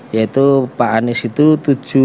yaitu pak anies itu